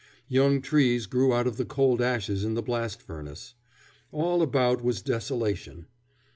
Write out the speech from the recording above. Young trees grew out of the cold ashes in the blast furnace. All about was desolation.